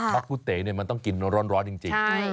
บักกุเตะนี่มันต้องกินร้อนจริง